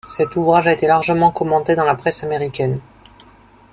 Cet ouvrage a été largement commenté dans la presse américaine.